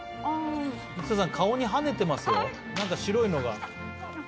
生田さん顔に跳ねてますよなんか白いのが。